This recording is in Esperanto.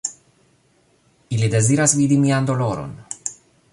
"Ili deziras vidi mian doloron."